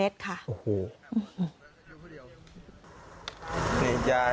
เท่าไหร่ค่ะ๒๐เมตรค่ะโอ้โห